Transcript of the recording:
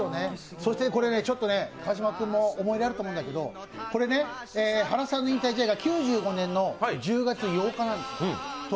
そして、川島君も思い出あると思うんだけど、原さんの引退試合が９４年の１０月８日なんです。